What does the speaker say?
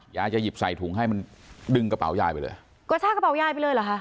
ยายจะหยิบใส่ถุงให้มันดึงกระเป๋ายายไปเลยกระชากระเป๋ายายไปเลยเหรอคะ